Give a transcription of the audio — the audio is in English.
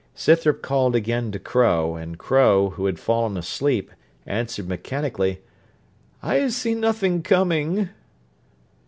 Scythrop called again to Crow; and Crow, who had fallen asleep, answered mechanically, 'I see nothing coming.'